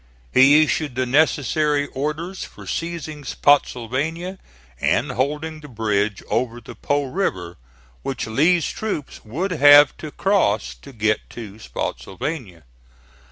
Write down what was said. He issued the necessary orders for seizing Spottsylvania and holding the bridge over the Po River, which Lee's troops would have to cross to get to Spottsylvania.